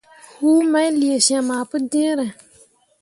Huu main lee syem ah pǝjẽe.